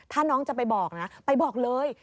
ถ้าน้องจะไปบอกนะไปบอกเลย